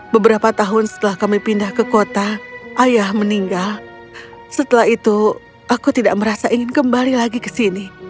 beberapa tahun setelah kami pindah ke kota ayah meninggal setelah itu aku tidak merasa ingin kembali lagi ke sini